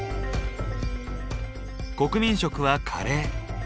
国民食はカレー。